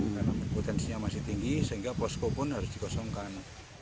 karena potensinya masih tinggi sehingga posko pun harus dikosongkan